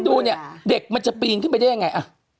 ดูเนี่ยเด็กมันจะปีนขึ้นไปได้ยังไง